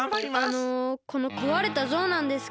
あのこのこわれたぞうなんですけど。